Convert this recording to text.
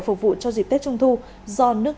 phục vụ cho dịp tết trung thu do nước